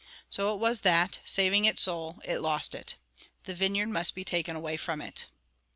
So it was that, saving its soul, it lost it. The vineyard must be taken away from it.